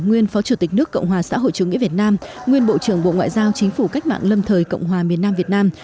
nguyên phó chủ tịch nước cộng hòa xã hội chủ nghĩa việt nam nguyên bộ trưởng bộ ngoại giao chính phủ cách mạng lâm thời cộng hòa miền nam việt nam